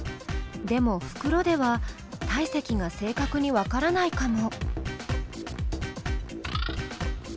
でもふくろでは体積が正確にわからないかも。